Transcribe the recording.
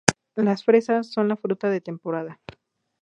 Las fresas son la fruta de temporada